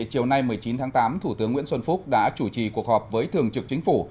chiều nay một mươi chín tháng tám thủ tướng nguyễn xuân phúc đã chủ trì cuộc họp với thường trực chính phủ